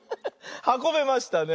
はこべましたね。